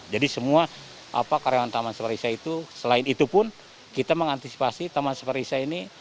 jadi semua karyawan taman safari indonesia itu selain itu pun kita mengantisipasi taman safari indonesia ini